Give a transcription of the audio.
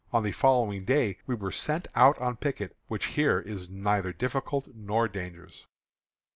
On the following day we were sent out on picket, which here is neither difficult nor dangerous.